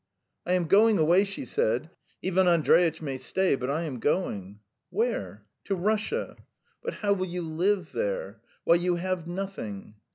"I am going away," she said. "Ivan Andreitch may stay, but I am going." "Where?" "To Russia." "But how will you live there? Why, you have nothing."